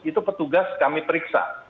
itu petugas kami periksa